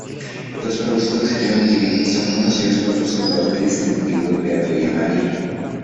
Los productos de John Deere son conocidos por sus colores distintivos verde y amarillo.